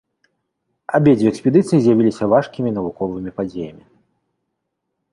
Абедзве экспедыцыі з'явіліся важкімі навуковымі падзеямі.